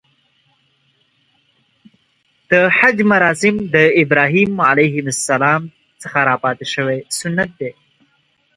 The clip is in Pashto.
د حج مراسم د ابراهیم ع څخه راپاتې شوی سنت دی .